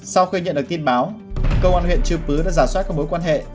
sau khi nhận được tin báo công an huyện chư pứ đã giả soát các mối quan hệ